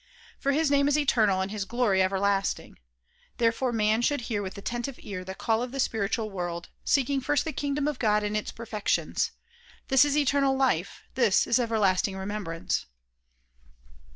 For his name is eternal and his glory everlasting. Therefore man should hear with attentive ear the call of the spiritual world, seek ing fii st the kingdom of God and its perfections. This is eternal life ; this is everlasting remembrance.